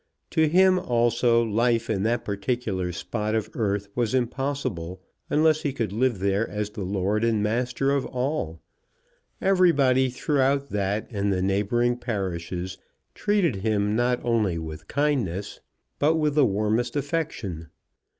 To him also life in that particular spot of earth was impossible, unless he could live there as the lord and master of all. Everybody throughout that and neighbouring parishes treated him not only with kindness, but with the warmest affection.